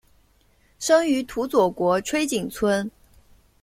生于土佐国吹井村。